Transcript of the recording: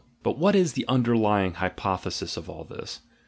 But what is the underlying hypothesis of all this?